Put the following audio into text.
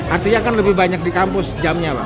artinya kan lebih banyak di kampus jamnya pak